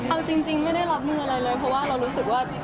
เอาจริงไม่ได้รับมืออะไรเลยเพราะว่าเรารู้สึกว่า